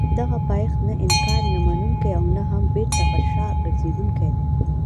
دغه پایښت نه انکار نه منونکی او نه هم بېرته پر شا ګرځېدونکی دی.